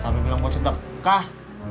sampai bilang kau sedekah